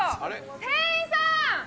店員さん。